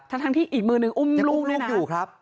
ทั้งที่อีกมือหนึ่งอุ้มลูกอยู่ครับ